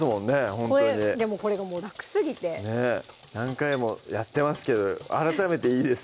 ほんとにでもこれがもう楽すぎてねっ何回もやってますけど改めていいですね